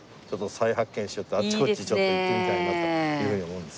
再発見しようってあっちこっち行ってみたいなというふうに思うんですよね。